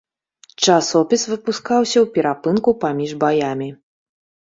Часопіс выпускаўся ў перапынку паміж баямі.